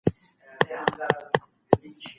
د میلاټونین کچه د رڼا پر اساس بدلیږي.